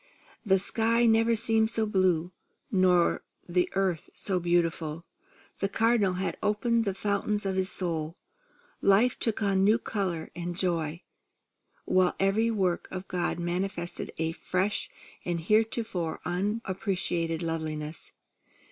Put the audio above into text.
The sky never had seemed so blue, or the earth so beautiful. The Cardinal had opened the fountains of his soul; life took on a new colour and joy; while every work of God manifested a fresh and heretofore unappreciated loveliness.